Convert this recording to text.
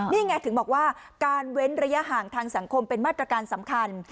นี่ไงถึงบอกว่าการเว้นระยะห่างทางสังคมเป็นมาตรการสำคัญ